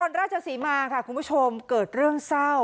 ราชศรีมาค่ะคุณผู้ชมเกิดเรื่องเศร้า